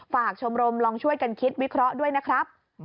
ชมรมลองช่วยกันคิดวิเคราะห์ด้วยนะครับ